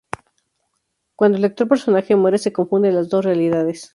Cuando el lector personaje muere se confunden las dos realidades.